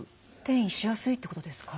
転移しやすいってことですか？